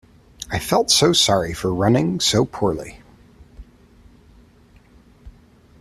I felt so sorry for running so poorly.